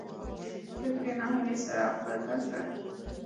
هیلې په ډېرې ناهیلۍ او خپګان سره خپلې شونډې یو ځای کړې.